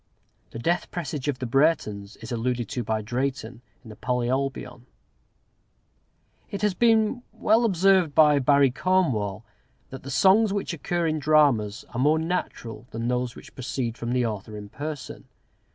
The death presage of the Breretons is alluded to by Drayton in the "Polyolbion." It has been well observed by Barry Cornwall, "that the songs which occur in dramas are more natural than those which proceed from the author in person."